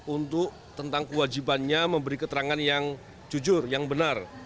untuk tentang kewajibannya memberi keterangan yang jujur yang benar